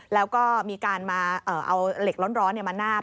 แล้วก็มีการมาเอาเหล็กร้อนมานาบ